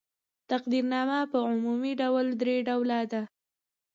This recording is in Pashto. تقدیرنامه په عمومي ډول درې ډوله ده.